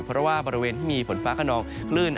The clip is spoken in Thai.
เพราะว่าบริเวณที่มีฝนฟ้าขนองคลื่น